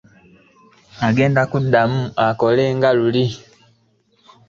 Agenda kuddamu akole nga luli.